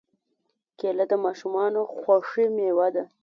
کېله د ماشومانو خوښې مېوه ده.